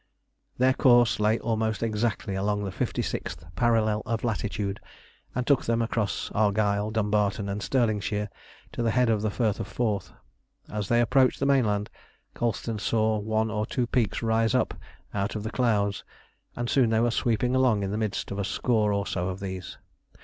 Their course lay almost exactly along the fifty sixth parallel of latitude, and took them across Argyle, Dumbarton, and Stirlingshire to the head of the Firth of Forth. As they approached the mainland, Colston saw one or two peaks rise up out of the clouds, and soon they were sweeping along in the midst of a score or so of these.